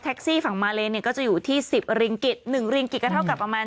ฮาเมตรลดฝั่งมาเลเนี่ยก็จะอยู่ที่สิบริงกิศหนึ่งริงกิศก็เท่ากับประมาณ